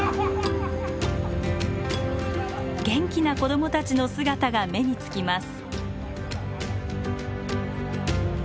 元気な子供たちの姿が目につきます。